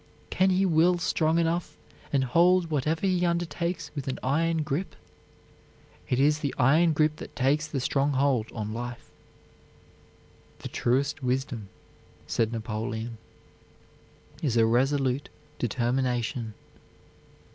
Can he will strong enough, and hold whatever he undertakes with an iron grip? It is the iron grip that takes the strong hold on life. "The truest wisdom," said Napoleon, "is a resolute determination."